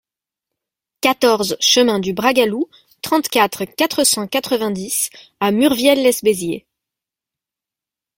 quatorze chemin du Bragalou, trente-quatre, quatre cent quatre-vingt-dix à Murviel-lès-Béziers